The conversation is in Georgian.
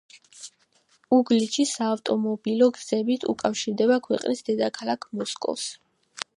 უგლიჩი საავტომობილო გზებით უკავშირდება ქვეყნის დედაქალაქ მოსკოვს.